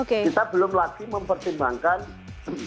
oke kita belum lagi mempertimbangkan ribuan atlet turun dari wisma